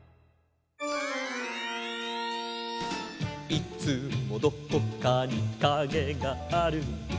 「いつもどこかにカゲがある」